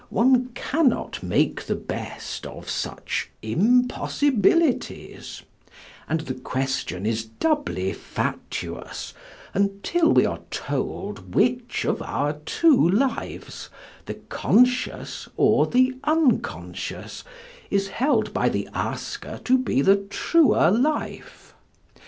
One cannot make the best of such impossibilities, and the question is doubly fatuous until we are told which of our two lives the conscious or the unconscious is held by the asker to be the truer life.